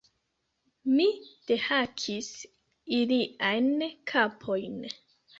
Mi dehakis iliajn kapojn!